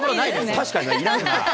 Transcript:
確かにいらんな。